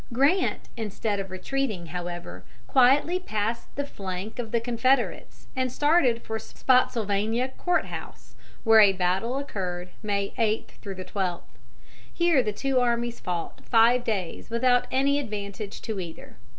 Grant, instead of retreating, however, quietly passed the flank of the Confederates and started for Spottsylvania Court House, where a battle occurred May 8 12. Here the two armies fought five days without any advantage to either.